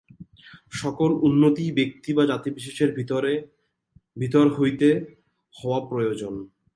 সকল উন্নতিই ব্যক্তি বা জাতি-বিশেষের ভিতর হইতে হওয়া প্রয়োজন।